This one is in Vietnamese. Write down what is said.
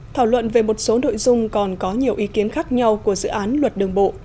thảo luận về một số nội dung còn có nhiều ý kiến khác nhau của dự án luật đường bộ